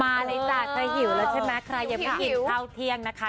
มาเลยจ้ะจะหิวแล้วใช่ไหมใครยังไม่กินข้าวเที่ยงนะคะ